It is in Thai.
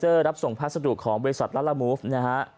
รับส่งพัสดุของบริษัทลาลามูฟนะฮะ